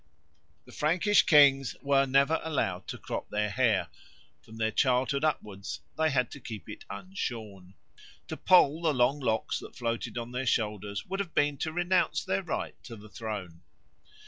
The Frankish kings were never allowed to crop their hair; from their childhood upwards they had to keep it unshorn. To poll the long locks that floated on their shoulders would have been to renounce their right to the throne.